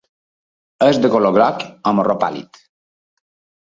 És de color groc o marró pàl·lid.